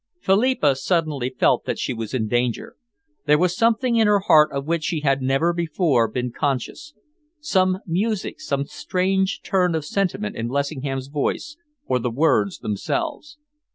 Philippa suddenly felt that she was in danger. There was something in her heart of which she had never before been conscious, some music, some strange turn of sentiment in Lessingham's voice or the words themselves.